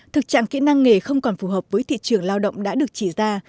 thực trạng kỹ năng nghề không còn phù hợp với thị trường lao động đã được chỉ ra